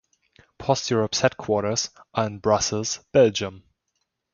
PostEurop's headquarters are in Brussels, Belgium.